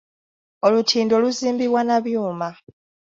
Olutindo luzimbibwa na byuma.